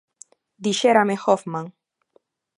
Dixérame Hoffman.